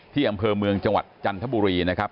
ที่อำเภอเมืองจังหวัดจันทบุรีนะครับ